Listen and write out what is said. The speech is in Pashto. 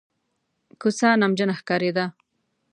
کوڅه نمجنه ښکارېده.